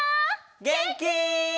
げんき？